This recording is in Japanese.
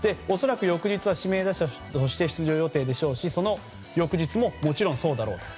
恐らく翌日は指名打者として出場予定でしょうしその翌日ももちろんそうだろう。